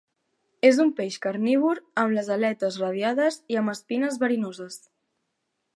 És un peix carnívor amb les aletes radiades i amb espines verinoses.